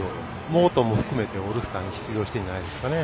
モートンも含めてオールスターに出場しているんじゃないですかね。